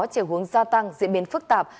triều hướng gia tăng diễn biến phức tạp